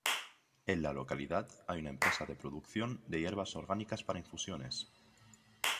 En la localidad hay una empresa de producción de hierbas orgánicas para infusiones.